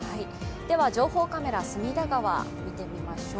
情報カメラ、隅田川を見てみましょう。